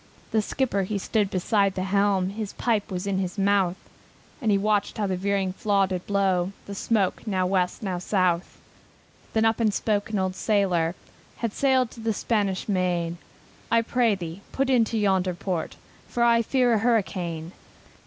The skipper he stood beside the helm, His pipe was in his mouth, And he watched how the veering flaw did blow The smoke now West, now South. Then up and spake an old sailor, Had sailed to the Spanish Main, "I pray thee, put into yonder port, For I fear a hurricane.